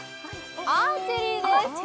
アーチェリーです。